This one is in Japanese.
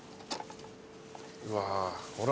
うわほら。